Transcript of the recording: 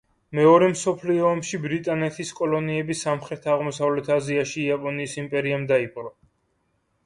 მეორე მსოფლიო ომში ბრიტანეთის კოლონიები სამხრეთ-აღმოსავლეთ აზიაში იაპონიის იმპერიამ დაიპყრო.